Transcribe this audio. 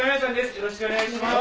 よろしくお願いします。